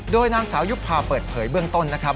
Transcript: โดยนางสาวยุภาเปิดเผยเบื้องต้นนะครับ